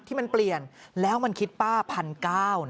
ที่มันเปลี่ยนแล้วมันคิดป้า๑๙๐๐บาท